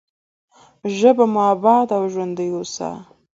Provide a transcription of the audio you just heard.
ژبه مو اباده او ژوندۍ اوسه.